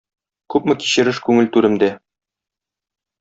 Күпме кичереш күңел түремдә!